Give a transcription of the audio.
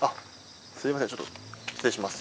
すみませんちょっと失礼します。